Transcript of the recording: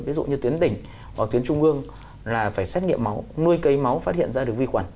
ví dụ như tuyến tỉnh hoặc tuyến trung ương là phải xét nghiệm máu nuôi cây máu phát hiện ra được vi khuẩn